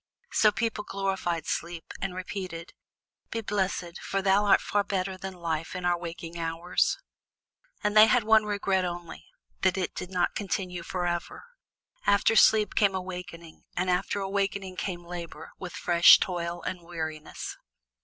So people glorified sleep, and repeated: "Be blessed, for thou art far better than life in our waking hours." And they had one regret only, that it did not continue forever. After sleep came awakening, and after awakening came labor with fresh toil and weariness.